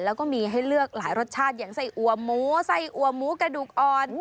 แล้วก็มีให้เลือกหลายรสชาติอย่างไส้อัวหมูไส้อัวหมูกระดูกอ่อน